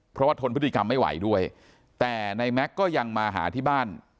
เพราะว่าทนพฤติกรรมไม่ไหวด้วยแต่ในแม็กซ์ก็ยังมาหาที่บ้าน